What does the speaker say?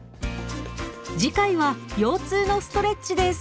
次回は腰痛のストレッチです。